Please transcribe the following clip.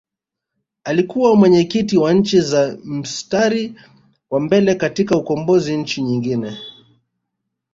Alikuwa mwenyekiti wa Nchi za Mstari wa Mbele katika ukombozi Nchi nyingine